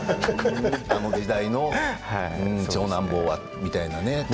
あの時代の長男坊みたいなね。